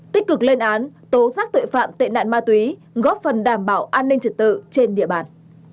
tích cực lên án tố giác tội phạm tệ nạn ma túy góp phần đảm bảo an ninh trật tự trên địa bàn